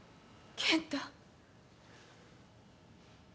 健太？